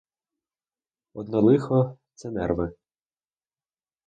Одне лихо — це нерви.